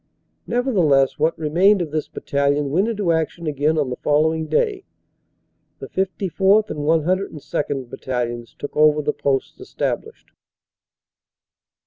Nevertheless what remained of this battalion went into action again on the following day. The 54th. and 102nd. Battalions took over the posts established.